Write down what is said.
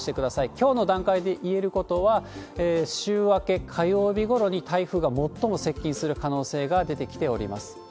きょうの段階で言えることは、週明け火曜日ごろに台風が最も接近する可能性が出てきております。